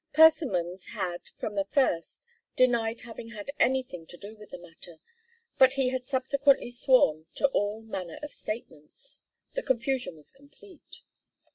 Persimmons had, from the first, denied having had anything to do with the matter, but he had subsequently sworn to all manner of statements. The confusion was complete.